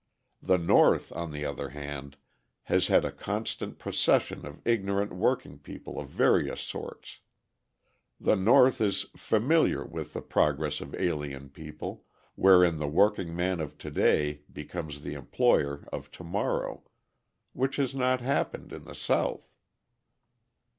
The North, on the other hand, has had a constant procession of ignorant working people of various sorts. The North is familiar with the progress of alien people, wherein the workingman of to day becomes the employer of to morrow which has not happened in the South.